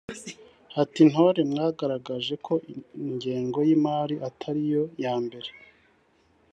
ati“Intore mwagaragaje ko ingengo y’imari atari yo ya mbere